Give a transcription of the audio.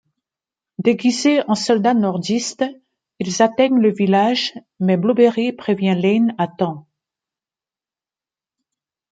Déguisés en soldats nordistes, ils atteignent le village, mais Blueberry prévient Lane à temps.